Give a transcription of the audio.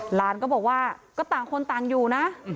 หลานก็บอกว่าก็ต่างคนต่างอยู่นะ